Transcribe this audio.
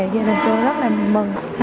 gia đình tôi rất là mừng